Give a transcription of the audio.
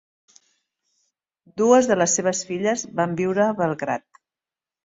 Dues de les seves filles van viure a Belgrad.